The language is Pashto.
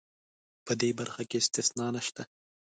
په دې برخه کې استثنا نشته.